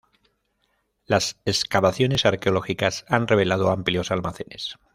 Las excavaciones arqueológicas han revelado amplios almacenes.